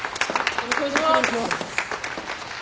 よろしくお願いします。